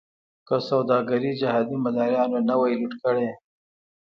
که سوداګري جهادي مداریانو نه وی لوټ کړې.